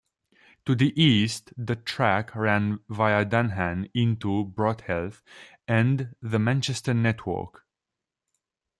To the east, the track ran via Dunham into Broadheath and the Manchester network.